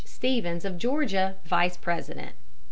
Stephens of Georgia Vice President.